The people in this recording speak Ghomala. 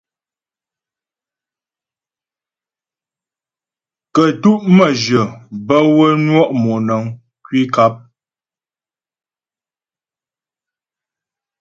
Kə́tu' məjyə bə́ wə́ nwɔ' mɔnəŋ kwi nkap.